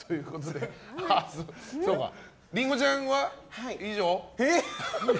りんごちゃんは以上？